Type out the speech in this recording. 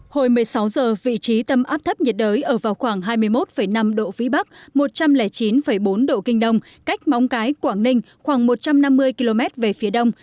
hồi một mươi sáu giờ vị trí tâm áp thấp nhiệt đới ở vào khoảng hai mươi một năm độ phía bắc một trăm linh chín bốn độ kinh đông cách móng cái quảng ninh khoảng một trăm năm mươi km về phía đông